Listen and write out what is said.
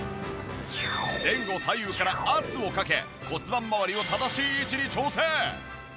前後左右から圧をかけ骨盤まわりを正しい位置に調整。